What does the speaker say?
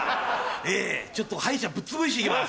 ええちょっと歯医者ぶっつぶして来ます。